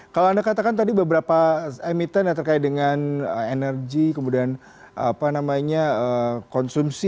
kalau anda katakan tadi beberapa emiten yang terkait dengan energi kemudian konsumsi